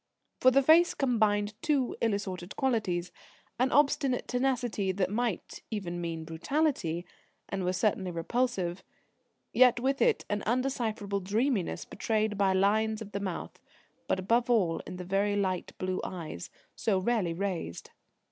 For the face combined too ill assorted qualities: an obstinate tenacity that might even mean brutality, and was certainly repulsive, yet, with it, an undecipherable dreaminess betrayed by lines of the mouth, but above all in the very light blue eyes, so rarely raised.